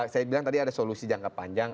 saya bilang tadi ada solusi jangka panjang